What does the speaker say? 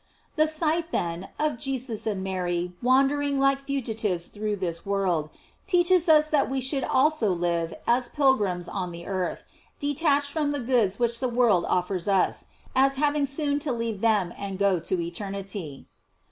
* The sight, then, of Jesus and Mary wander ing like fugitives through this world, teaches us that we should also live as pilgrims on the earth, detached from the goods which the world offers us, as having soon to leave them and go to eter nity.